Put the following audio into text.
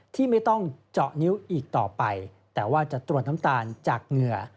ที่ไม่ต้องเจาะนิ้วอีกต่อไปแต่ว่าจะตรวจน้ำตาลจากเหงื่อ